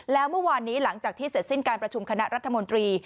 แล้วเมื่อวานนี้หลังจากที่เสร็จสิ้นการประชุมคณะรัฐมนตรี